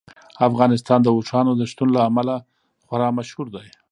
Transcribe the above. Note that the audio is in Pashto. افغانستان د اوښانو د شتون له امله خورا مشهور دی.